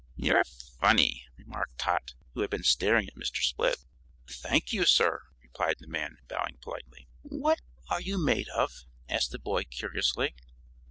"You're funny," remarked Tot, who had been staring at Mr. Split. "Thank you, sir," replied the man, bowing politely. "What are you made of?" asked the boy, curiously.